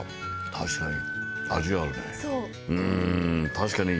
確かに。